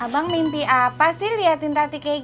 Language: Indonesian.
hai abang mimpi apa sih liatin tadi kayak